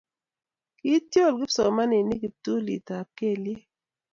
kiityol kipsomaninik kiptulitab kelyek